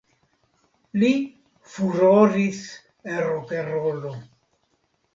Li furoris en rokenrolo.